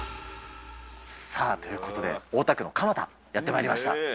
さあ、ということで、大田区の蒲田、やってまいりました。